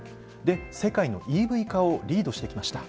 世界のＥＶ化をリードしてきました。